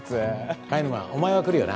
貝沼お前は来るよな？